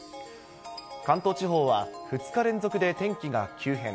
関東地方は２日連続で天気が急変。